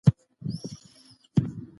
که هڅه وي نو ناکامي نه پاتې کېږي.